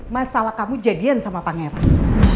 masalah kamu jadian sama pangeran